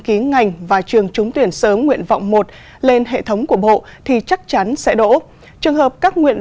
ký ngành và trường trúng tuyển sớm nguyện vọng một lên hệ thống của bộ thì chắc chắn sẽ đổ trường hợp